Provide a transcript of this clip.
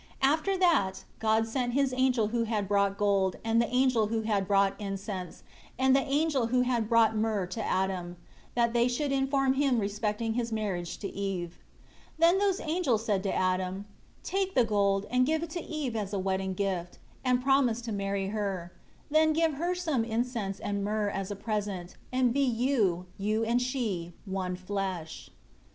3 After that, God sent His angel who had brought gold, and the angel who had brought incense, and the angel who had brought myrrh to Adam, that they should inform him respecting his marriage to Eve. 4 Then those angels said to Adam, "Take the gold and give it to Eve as a wedding gift, and promise to marry her; then give her some incense and myrrh as a present; and be you, you and she, one flesh."